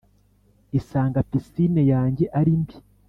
isanga pisine yanjye ari mbi